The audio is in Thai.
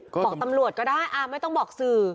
บอกตำรวจก็ได้ไม่ต้องบอกสื่อ